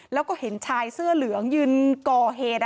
แล้วก็เห็นชายเสื้อเหลืองยืนก่อเหตุ